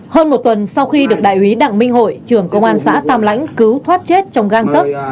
hơn một tuần sau khi được đại úy đặng minh hội trưởng công an xã tam lãnh cứu thoát chết trong găng tức